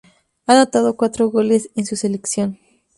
Ha anotado cuatro goles con su selección.